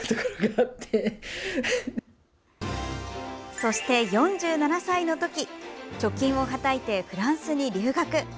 そして４７歳の時貯金をはたいてフランスに留学。